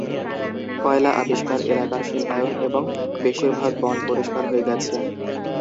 কয়লা আবিষ্কার এলাকার শিল্পায়ন এবং বেশিরভাগ বন পরিষ্কার হয়ে গেছে।